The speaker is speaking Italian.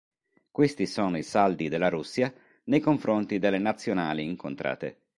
Questi sono i saldi della Russia nei confronti delle Nazionali incontrate.